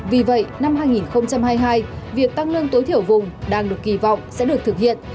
vì vậy năm hai nghìn hai mươi hai việc tăng lương tối thiểu vùng đang được kỳ vọng sẽ được thực hiện